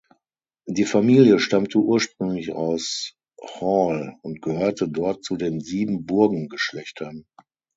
Die Familie stammte ursprünglich aus Hall und gehörte dort zu den „Sieben-Burgen-Geschlechtern“.